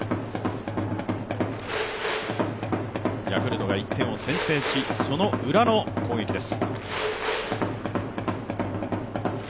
ヤクルトが１点を先制し、そのウラの攻撃です。